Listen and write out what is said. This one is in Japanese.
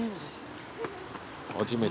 初めて。